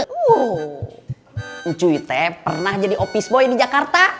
woh cuy te pernah jadi office boy di jakarta